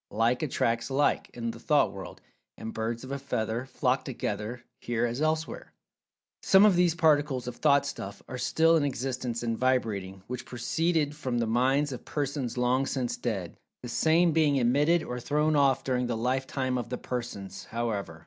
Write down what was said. "Like attracts Like," in the Thought World, and "Birds of a feather flock together," here as elsewhere. Some of these particles of "Thought stuff" are still in existence, and vibrating, which proceeded from the minds of persons long since dead, the same being emitted or thrown off during the lifetime of the persons, however.